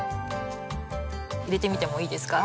入れてみてもいいですか？